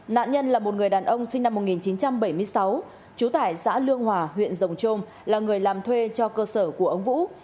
nạn nhân là một người đàn ông sinh năm một nghìn chín trăm bảy mươi sáu trú tải xã lương hòa huyện rồng trôm là người làm thuê cho cơ sở của ông vũ